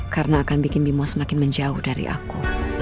karena akan bikin bimo semakin menjauh dari aku